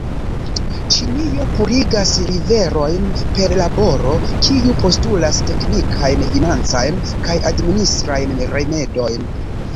Ĉinio purigas riverojn per laboro, kiu postulas teknikajn, financajn kaj administrajn rimedojn.